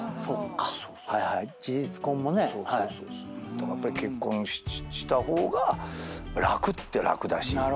だからやっぱり結婚した方が楽って楽だし。